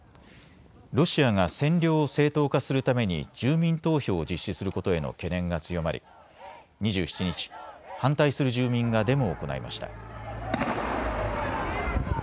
ロシアが占領を正当化するために住民投票を実施することへの懸念が強まり２７日、反対する住民がデモを行いました。